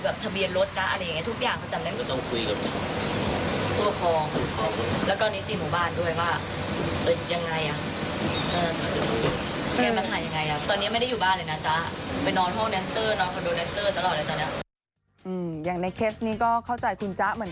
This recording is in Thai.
แบบทะเบียนรถทุกอย่างเขาจำเลย